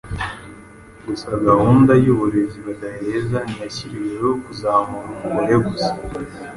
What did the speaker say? Gusa gahunda y’uburezi budaheza ntiyashyiriweho kuzamura umugore gusa